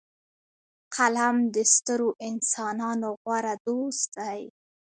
قلم د سترو انسانانو غوره دوست دی